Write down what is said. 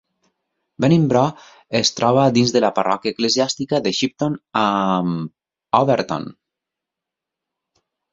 Beningbrough es troba dins de la parròquia eclesiàstica de Shipton amb Overton.